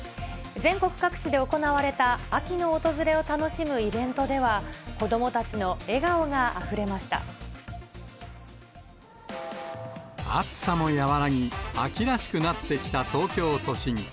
全国各地で行われた秋の訪れを楽しむイベントでは、子どもたちの暑さも和らぎ、秋らしくなってきた東京都心。